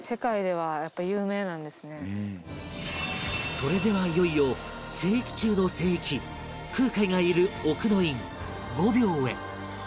それではいよいよ聖域中の聖域空海がいる奥の院御廟へ